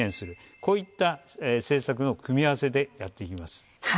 こういった政策の組み合わせでやっていきます。